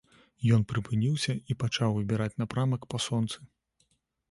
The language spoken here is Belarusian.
Ён прыпыніўся і пачаў выбіраць напрамак па сонцы.